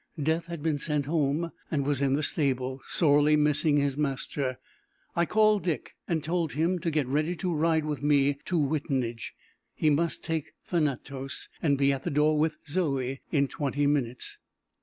Death had been sent home, and was in the stable, sorely missing his master. I called Dick, and told him to get ready to ride with me to Wittenage; he must take Thanatos, and be at the door with Zoe in twenty minutes.